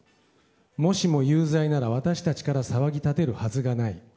もしも有罪なら私たちから騒ぎ立てるはずがない。